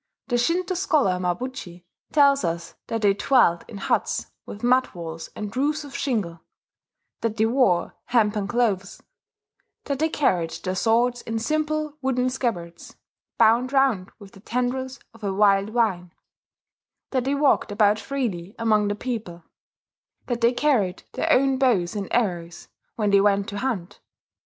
The Shinto scholar Mabuchi tells us that they dwelt in huts with mud walls and roofs of shingle; that they wore hempen clothes; that they carried their swords in simple wooden scabbards, bound round with the tendrils of a wild vine; that they walked about freely among the people; that they carried their own bows and arrows when they went to hunt.